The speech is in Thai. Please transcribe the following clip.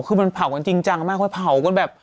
คือมันเผากันจริงจังมากค่อยเผากันแบบ